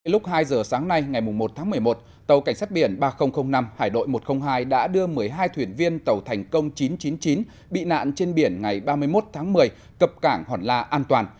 lúc hai giờ sáng nay ngày một tháng một mươi một tàu cảnh sát biển ba nghìn năm hải đội một trăm linh hai đã đưa một mươi hai thuyền viên tàu thành công chín trăm chín mươi chín bị nạn trên biển ngày ba mươi một tháng một mươi cập cảng hòn la an toàn